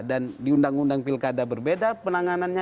dan di undang undang pilkada berbeda penanganannya